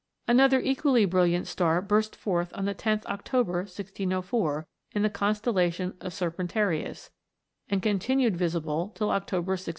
Another equally brilliant star burst forth on the 10th October, 1604, in the constellation of Serpeu tarius, and continued visible till October, 1605.